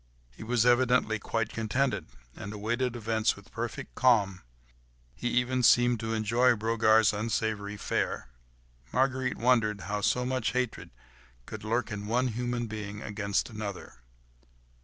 He was evidently quite contented, and awaited events with perfect calm; he even seemed to enjoy Brogard's unsavoury fare. Marguerite wondered how so much hatred could lurk in one human being against another.